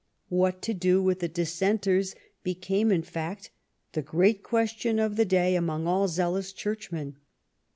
What to do with the Dissenters became, in fact, the great question of the day among all zealous churchmen.